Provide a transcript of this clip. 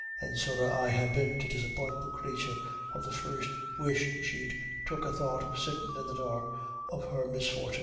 And sorry I'd ha' been to disappoint the crathur of the first wish she'd took a thought of sittin' in the dark of her misfortin.